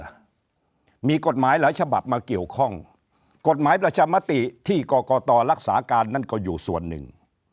ว่ามีกฎหมายหลายฉบับมาเกี่ยวข้องกฎหมายประชามติที่กรกตรักษาการนั่นก็อยู่ส่วนหนึ่ง